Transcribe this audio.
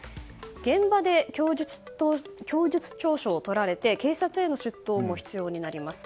現場で供述調書をとられて警察への出頭も必要になります。